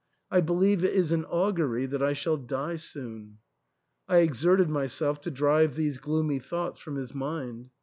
I believe it is an augury that I shall die soon." I exerted myself to drive these gloomy thoughts from his mind.